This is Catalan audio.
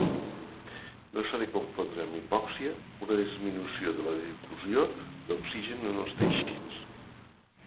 No s'ha de confondre amb hipòxia, una disminució de la difusió d'oxigen en els teixits.